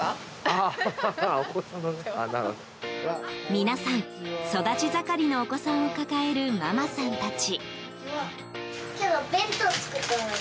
皆さん、育ち盛りのお子さんを抱えるママさんたち。